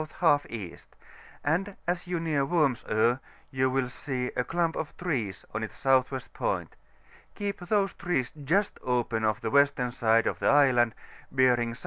J E. ; and as you near Worms Oe, you will see a clump of trees on its S.W. point : keep these trees just open of the western side of the island, bearing S.S.